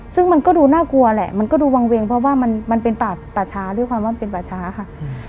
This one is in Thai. ซึ่งมันก็ดูน่ากลัวแหละมันก็ดูวางเวงเพราะว่ามันเป็นป่าป่าช้าด้วยความว่ามันเป็นป่าช้าค่ะ